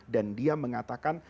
dan dia mengatakan